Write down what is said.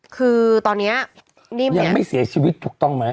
คือตอนนี้ยังไม่เสียชีวิตถูกต้องไหม